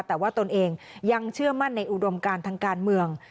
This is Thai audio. แต่ว่าตนเองยังเชื่อมั่นในอุดมการทางการเมือง